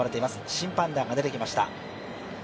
審判団が出てきました。